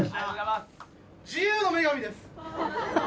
自由の女神です。